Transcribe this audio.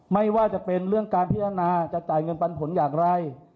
ไม่ว่าจะเป็นเรื่องการพิจารณาจะจ่ายเงินปันผลอย่างไร